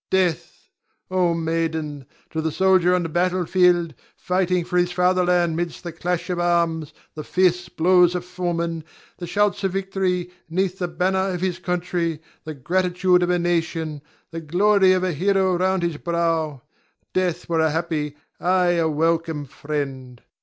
Ion. Death! Oh, maiden! To the soldier on the battle field, fighting for his father land 'mid the clash of arms, the fierce blows of foemen, the shouts of victory; 'neath the banner of his country, the gratitude of a nation, the glory of a hero round his brow, death were a happy, ay, a welcome friend.